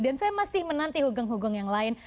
dan saya masih menanti hugen yang lain